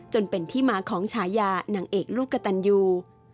จนเป็นที่มาของฉายานางเอกลูกกระตันยู